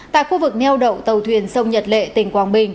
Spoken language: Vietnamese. tại khu vực neo đậu tàu thuyền sông nhật lệ tỉnh quảng bình